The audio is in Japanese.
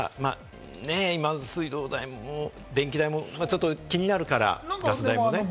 今、水道代も電気代もちょっと気になるから、ガス代もね。